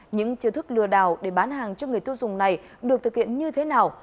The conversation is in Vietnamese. những chiêu thức lừa đảo để bán hàng cho người tiêu dùng này được thực hiện như thế nào